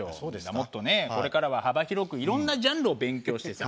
もっとねこれからは幅広くいろんなジャンルを勉強してさ。